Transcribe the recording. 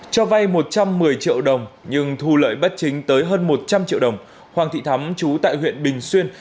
cho vay một trăm một mươi triệu đồng nhưng thu lợi bất chính tới hơn một trăm linh triệu đồng hoàng thị thắm chú tại huyện bình xuyên